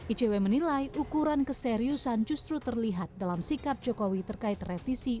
icw menilai ukuran keseriusan justru terlihat dalam sikap jokowi terkait revisi